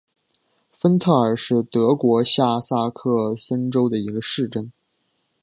芬特尔是德国下萨克森州的一个市镇。